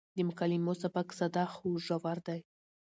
د مکالمو سبک ساده خو ژور دی.